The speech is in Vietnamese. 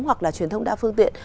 hoặc là truyền thông đa phương tiện